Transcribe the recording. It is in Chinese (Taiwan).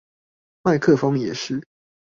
麥克風也是